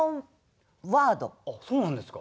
あっそうなんですか？